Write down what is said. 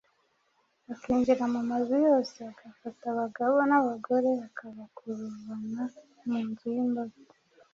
akinjira mu mazu yose, agafata abagabo n’abagore, akabakurubana mu nzu y’imbohe.